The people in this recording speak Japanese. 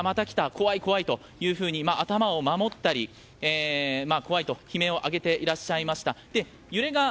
そして、町の人は頭を守ったり怖いと悲鳴を上げていらっしゃいました。